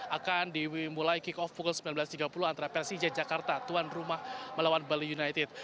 akan dimulai kick off pukul sembilan belas tiga puluh antara persija jakarta tuan rumah melawan bali united